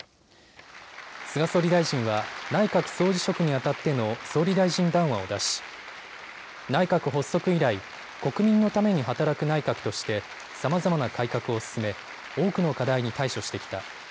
菅総理大臣は内閣総辞職にあたっての総理大臣談話を出し、内閣発足以来、国民のために働く内閣としてさまざまな改革を進め、多くの課題に対処してきた。